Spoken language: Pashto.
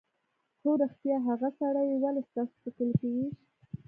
_هو رښتيا! هغه سړی يې ولې ستاسو په کلي کې وويشت؟